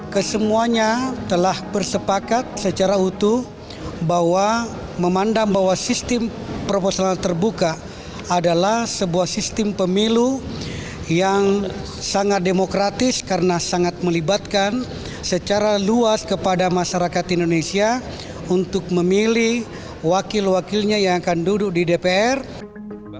namun anggota dpr fraksi golkar supriyansa mengatakan bahwa dalil para pemohon tidak tepat